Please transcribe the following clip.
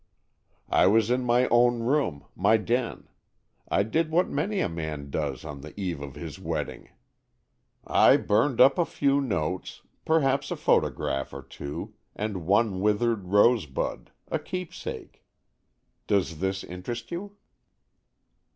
"I was in my own room—my den. I did what many a man does on the eve of his wedding. I burned up a few notes,—perhaps a photograph or two,—and one withered rose bud,—a 'keepsake.' Does this interest you?"